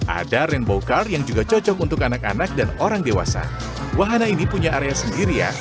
ada rainbow car yang juga cocok untuk anak anak dan orang dewasa wahana ini punya area sendiri ya